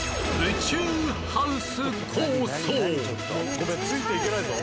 ごめんついていけないぞ。